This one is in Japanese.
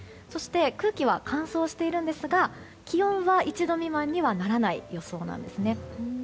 そして空気は乾燥しているんですが気温は１度未満にはならない予想なんですね。